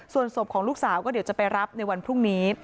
ส่วนศพของลูกสาวก็เดี๋ยวจะไปรับในวันพรุ่งนี้